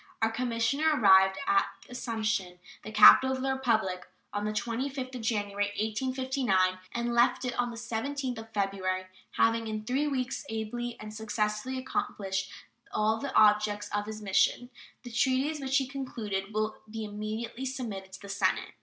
Our commissioner arrived at Assumption, the capital of the Republic, on the 25th of January, 1859, and left it on the 17th of February, having in three weeks ably and successfully accomplished all the objects of his mission. The treaties which he has concluded will be immediately submitted to the Senate.